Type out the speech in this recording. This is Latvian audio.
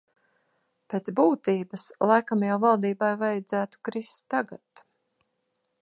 Pēc būtības, laikam jau valdībai vajadzētu krist tagad.